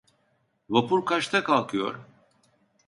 Vapur kaçta kalkıyor?